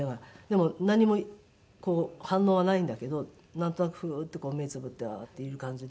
でも何もこう反応はないんだけどなんとなくフーッて目つぶってああっていう感じで。